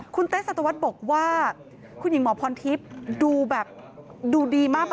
คุณเต๊ะสัตวัสบอกว่าคุณหญิงหมอพรทิพย์ดูดีมาก